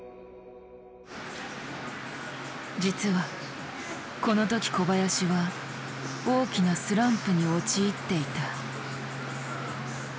実はこの時小林は大きなスランプに陥っていた。